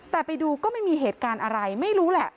แต่ไปดูก็ไม่มีเหตุการณ์อะไรไม่รู้แหละ